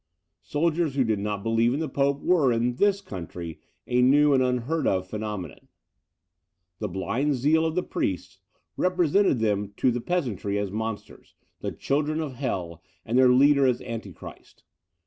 Soldiers who did not believe in the Pope were, in this country, a new and unheard of phenomenon; the blind zeal of the priests represented them to the peasantry as monsters, the children of hell, and their leader as Antichrist.